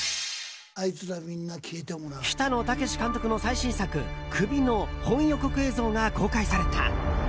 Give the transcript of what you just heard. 北野武監督の最新作「首」の本予告映像が公開された。